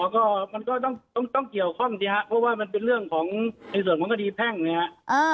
ก็มันก็ต้องเกี่ยวข้องสิครับเพราะว่ามันเป็นเรื่องของในส่วนของคดีแพ่งนะครับ